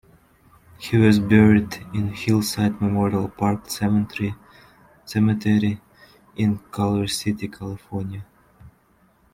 He was buried in Hillside Memorial Park Cemetery in Culver City, California.